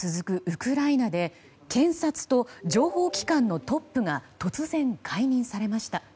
ウクライナで検察と情報機関のトップが突然、解任されました。